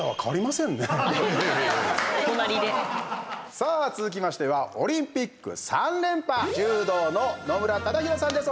さあ、続きましてはオリンピック３連覇柔道の野村忠宏さんです。